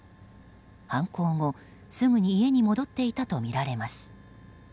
犯行後、すぐに家に戻っていたとみられます。